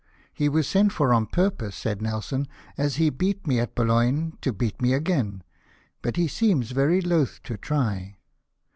" He was sent for on purpose," said Nelson, " as he heat me at Boulogne, to beat me again ; but he seems very loth to try."